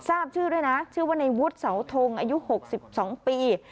ทราบชื่อด้วยนะชื่อว่าในวุฒิเสาทงอายุ๖๒ปี